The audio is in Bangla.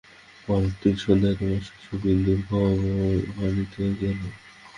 পরদিন সন্ধ্যার সময় শশী বিন্দুর খবর আনিতে গেল।